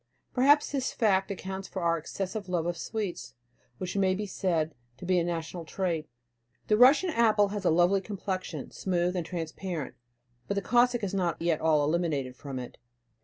Perhaps this fact accounts for our excessive love of sweets, which may be said to be a national trait. The Russian apple has a lovely complexion, smooth and transparent, but the Cossack is not yet all eliminated from it.